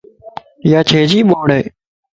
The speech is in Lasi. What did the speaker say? ياچيجي ٻوڙائي